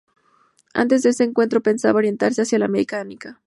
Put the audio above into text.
Antes de ese encuentro, pensaba orientarse hacia la mecánica.